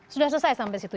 sudah selesai sampai situ